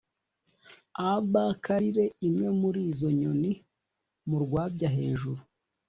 ab k rire imwe muri izo nyoni mu rwabya hejuru